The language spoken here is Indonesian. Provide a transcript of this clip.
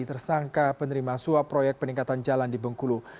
tersangka penerima suap proyek peningkatan jalan di bengkulu